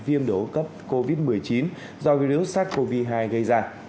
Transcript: viêm đổ cấp covid một mươi chín do virus sars cov hai gây ra